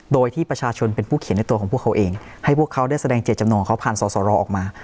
โดยที่ประชาชนเป็นผู้เขียนในตัวของพวกเขาเองให้พวกเขาได้แสดงเจตจำนองเขาผ่านสอสรออกมา